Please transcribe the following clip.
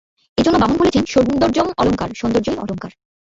এজন্য বামন বলেছেন: সৌন্দর্যম্ অলঙ্কারঃ সৌন্দর্যই অলঙ্কার।